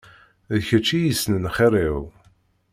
D kečč i yesnen xir-iw.